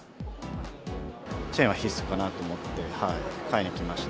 チェーンは必須かなと思って、買いに来ました。